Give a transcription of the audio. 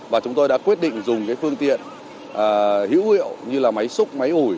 và chúng tôi đã quyết định dùng cái phương tiện hữu hiệu như là máy xúc máy ủi